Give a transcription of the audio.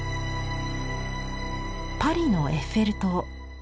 「パリのエッフェル塔」。